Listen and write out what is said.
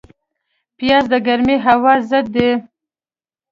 پیاز د ګرمې هوا ضد دی